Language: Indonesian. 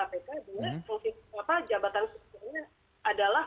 dia fungsi apa jabatan strukturnya adalah